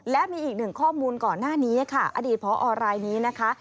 และมีอีกหนึ่งข้อมูลก่อนหน้านี้ค่ะอดีตพอรายนี้นะคะ